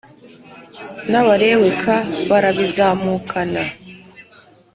N abalewi k barabizamukana